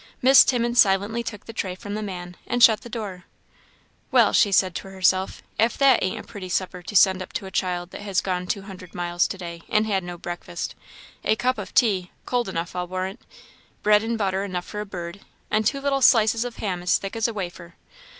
Miss Timmins silently took the tray from the man, and shut the door. "Well!" said she to herself "if that ain't a pretty supper to send up to a child that has gone two hundred miles to day, and had no breakfast! a cup of tea, cold enough, I'll warrant bread and butter enough for a bird and two little slices of ham as thick as a wafer!